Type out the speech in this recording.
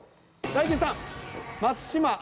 大吉さん。